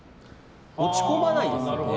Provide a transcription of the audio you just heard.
落ち込まないんですよね。